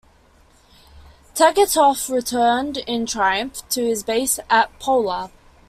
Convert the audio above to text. Tegetthoff returned in triumph to his base at Pola.